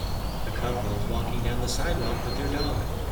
a couple is walking down the sidewalk with their dog